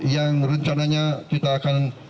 yang rencananya kita akan